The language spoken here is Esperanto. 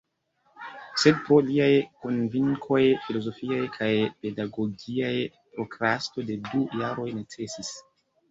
Sed pro liaj konvinkoj filozofiaj kaj pedagogiaj prokrasto de du jaroj necesis.